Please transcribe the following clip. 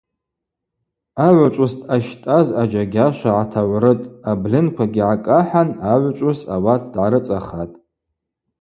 Агӏвычӏвгӏвыс дъащтӏаз аджьагьашва гӏатагӏврытӏ, абльынквагьи гӏакӏахӏан агӏвычӏвгӏвыс ауат дгӏарыцӏахатӏ.